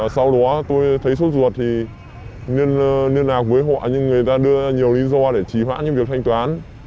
sau đó tôi thấy sốt ruột thì liên lạc với họ nhưng người ta đưa nhiều lý do để trí hoãn những việc thanh toán